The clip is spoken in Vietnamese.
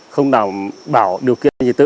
không nào bảo điều kiện